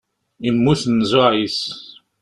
Immut nnzuɛ-is.